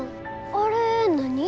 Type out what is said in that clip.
あれ何？